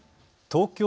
東京